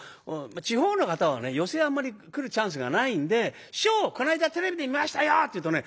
地方の方はね寄席はあんまり来るチャンスがないんで「師匠この間テレビで見ましたよ」って言うとね